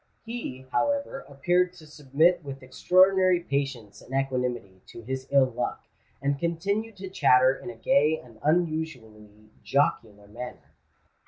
He, however, appeared to submit with extraordinary patience and equanimity to his ill luck, and continued to chatter in a gay and unusually jocular manner.